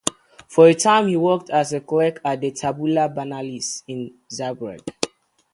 For a time he worked as a clerk at the Tabula Banalis in Zagreb.